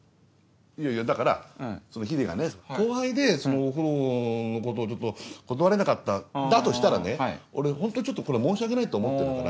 いやいやだからヒデがね後輩でお風呂のことを断れなかったんだとしたらね俺ホントにちょっとこれは申し訳ないと思ってるから。